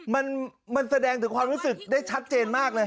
มันแสดงถึงความรู้สึกได้ชัดเจนมากเลย